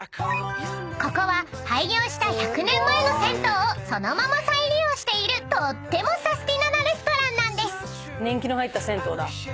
［ここは廃業した１００年前の銭湯をそのまま再利用しているとってもサスティななレストランなんです］